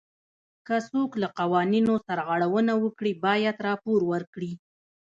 که څوک له قوانینو سرغړونه وکړي باید راپور ورکړي.